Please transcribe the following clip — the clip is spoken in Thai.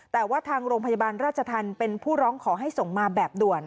แต่ว่าทางโรงพยาบาลราชธรรมเป็นผู้ร้องขอให้ส่งมาแบบด่วน